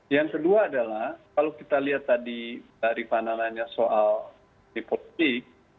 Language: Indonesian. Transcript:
yang kedua adalah kalau kita lihat tadi dari panahannya soal di politik